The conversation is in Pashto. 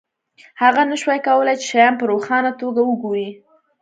هغه نشوای کولی چې شیان په روښانه توګه وګوري